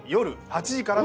８時から！